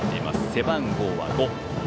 背番号は５。